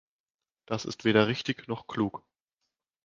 Das ist weder richtig noch klug.